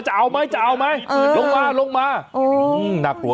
เออทะเลาะกันนะครับ